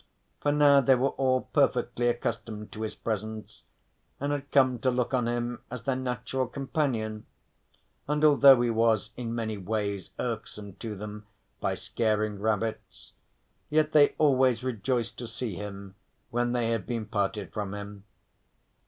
For now they were all perfectly accustomed to his presence, and had come to look on him as their natural companion, and although he was in many ways irksome to them by scaring rabbits, yet they always rejoiced to see him when they had been parted from him.